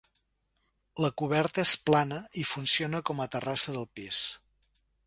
La coberta és plana i funciona com a terrassa del pis.